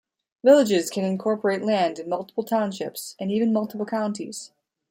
Villages can incorporate land in multiple townships and even multiple counties.